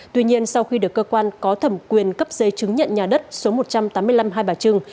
tuy nhiên sau khi được cơ quan có thẩm quyền cấp giấy chứng nhận nhà đất số một trăm tám mươi năm hai bà trưng